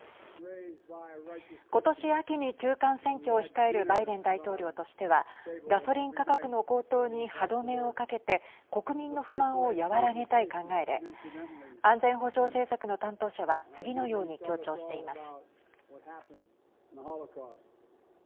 ことし秋に中間選挙を控えるバイデン大統領としてはガソリン価格の高騰に歯止めをかけて国民の不満を和らげたい考えで安全保障政策の担当者は次のように強調しています。